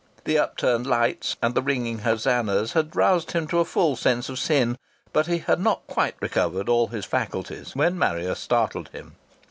The upturned lights and the ringing hosannahs had roused him to a full sense of sin, but he had not quite recovered all his faculties when Marrier startled him.